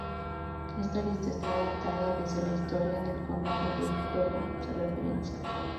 Esta lista está adaptada desde la historia del condado de Victoria, se referencia.